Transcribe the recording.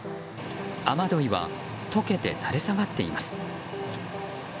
雨どいは溶けて垂れ下がっています。